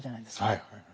はいはい。